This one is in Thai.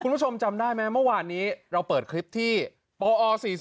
คุณผู้ชมจำได้ไหมเมื่อวานนี้เราเปิดคลิปที่ปอ๔๔